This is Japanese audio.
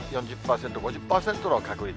３、４０％、５０％の確率。